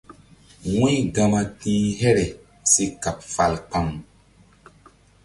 Wu̧y gama ti̧h here si kaɓ fal kpaŋ.